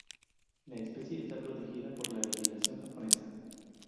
La especie está protegida por la legislación japonesa.